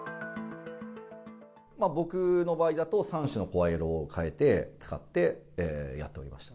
僕の場合だと、３種の声色を変えて、使って、やっておりました。